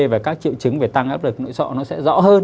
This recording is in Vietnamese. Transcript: và các triệu chứng về tăng áp lực nội sọ nó sẽ rõ hơn